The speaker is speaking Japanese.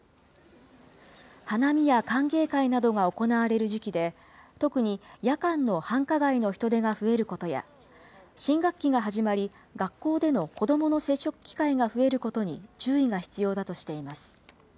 花見や歓迎会などが行われる時期で、特に夜間の繁華街の人出が増えることや、新学期が始まり、学校での子どもの接触機会が増えることに注意が必要だとしています。